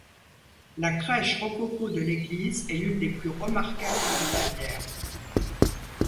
La crèche rococo de l'église est l'une des plus remarquables de Bavière.